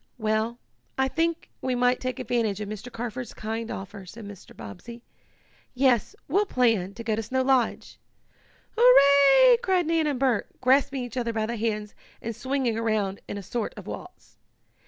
"Well, I think we might take advantage of Mr. Carford's kind offer," said Mr. Bobbsey. "Yes, we'll plan to go to Snow Lodge!" "Hurrah!" cried Nan and Bert, grasping each other by the hands and swinging around in a sort of waltz.